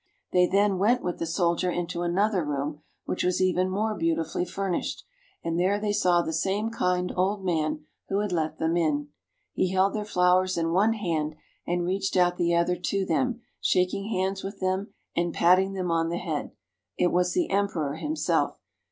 They then went with the soldier into another room which was even more beauti fully furnished, and there they saw the same kind old man who had let them in. He held their flowers in one hand, and reached out the other to them, shaking hands with RURAL AND MANUFACTURING GERMANY. 223 them and patting them on the head. It was the emperor himself.